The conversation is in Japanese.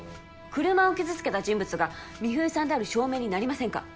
車を傷つけた人物が美冬さんである証明になりませんか？